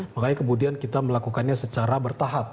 makanya kemudian kita melakukannya secara bertahap